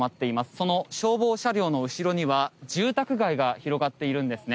その消防車両の後ろには住宅街が広がっているんですね。